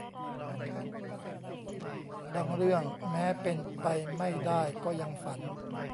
บางเรื่องแม้เป็นไปไม่ได้ก็ยังฝัน